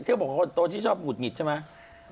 บอกว่าคนโตที่ชอบหงุดหงิดใช่ไหม